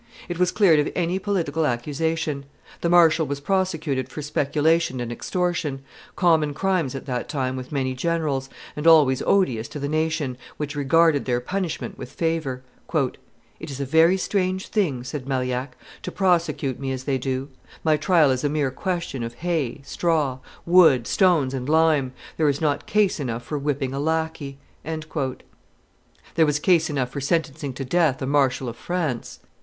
It was cleared of any political accusation: the marshal was prosecuted for peculation and extortion, common crimes at that time with many generals, and always odious to the nation, which regarded their punishment with favor. "It is a very strange thing," said Marillac, "to prosecute me as they do; my trial is a mere question of hay, straw, wood, stones, and lime; there is not case enough for whipping a lackey." There was case enough for sentencing to death a marshal of France.